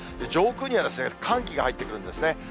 上空には、寒気が入ってくるんですね。